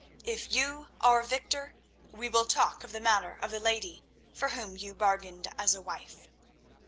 If you are victor, we will talk of the matter of the lady for whom you bargained as a wife."